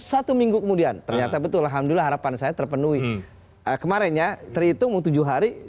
satu minggu kemudian ternyata betul alhamdulillah harapan saya terpenuhi kemarin ya terhitung tujuh hari